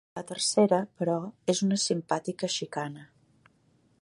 La tercera, però, és una simpàtica xicana.